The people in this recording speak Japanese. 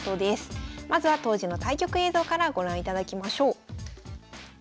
まずは当時の対局映像からご覧いただきましょう。